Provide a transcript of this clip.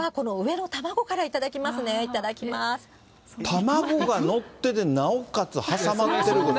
卵が載ってて、なおかつ挟まってる。